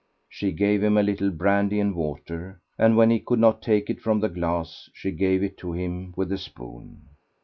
She gave him a little brandy and water, and when he could not take it from the glass she gave it to him with a spoon.